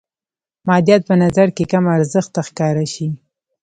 مادیات په نظر کې کم ارزښته ښکاره شي.